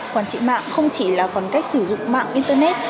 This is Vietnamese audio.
quản trị mạng không chỉ là còn cách sử dụng mạng internet